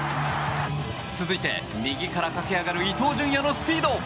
続いて、右から駆け上がる伊東純也のスピード。